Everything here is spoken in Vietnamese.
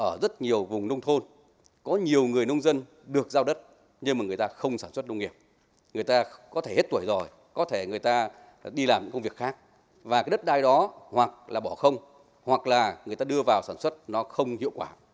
ở rất nhiều vùng nông thôn có nhiều người nông dân được giao đất nhưng mà người ta không sản xuất nông nghiệp người ta có thể hết tuổi rồi có thể người ta đi làm công việc khác và cái đất đai đó hoặc là bỏ không hoặc là người ta đưa vào sản xuất nó không hiệu quả